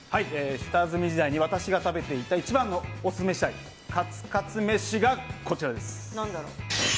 下積み時代に私が食べていた一番のオススメしたいカツカツ飯がこちらです。